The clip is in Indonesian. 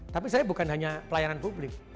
tapi saya bukan hanya pelayanan publik